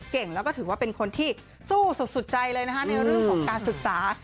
เก่งแล้วก็ถือว่าเป็นคนที่สู้สุดใจเลยนะคะในเรื่องของการศึกษา